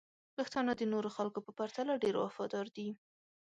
پښتانه د نورو خلکو په پرتله ډیر وفادار دي.